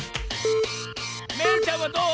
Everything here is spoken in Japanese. めいちゃんはどう？